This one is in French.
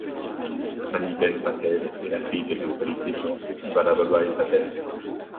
Maniben Patel est la fille de l'homme politique Vallabhbhai Patel.